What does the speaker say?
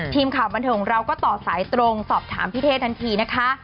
ทีมข่าวบันเทิงของเราก็ต่อสายตรงสอบถามพี่เท่ทันทีนะคะ